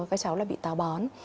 các cháu lại bị táo bón